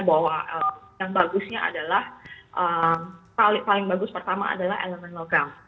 bahwa yang bagusnya adalah paling bagus pertama adalah elemen logam